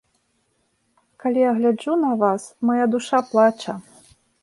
Калі я гляджу на вас, мая душа плача.